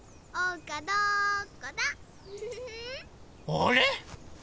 あれ？